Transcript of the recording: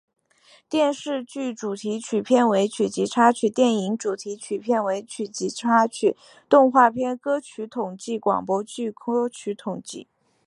电视剧主题曲片尾曲及插曲电影主题曲片尾曲及插曲动画片歌曲统计广播剧歌曲统计